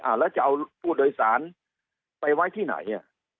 แล้วจะเอาผู้โดยสารไปไว้ที่ไหน